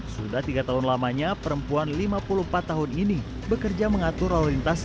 sudah tiga tahun lamanya perempuan lima puluh empat tahun ini bekerja mengatur lalu lintas